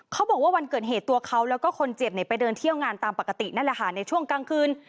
เขาบอกว่าวันเกิดเหตุตัวเขาแล้วก็คนเจ็บไปเดินเที่ยวงานตามปกตินั่นแหละค่ะในช่วงกลางคืน